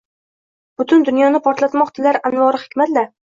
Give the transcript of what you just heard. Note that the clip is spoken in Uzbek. Butun dunyoni portlatmoq tilar anvori hikmat-la